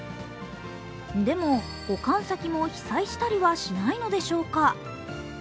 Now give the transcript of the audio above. でも保管先も被災したりはしないのでしょうか？